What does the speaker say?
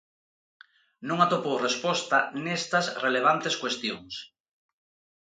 Non atopou resposta nestas relevantes cuestións.